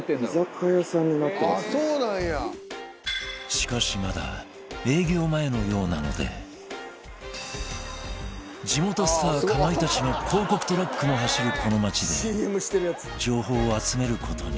しかしまだ営業前のようなので地元スターかまいたちの広告トラックの走るこの街で情報を集める事に